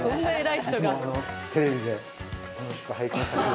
いつもテレビで楽しく拝見さして。